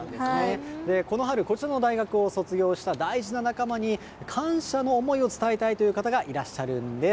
この春こちらの大学を卒業した大事な仲間に、感謝の思いを伝えたいという方がいらっしゃるんです。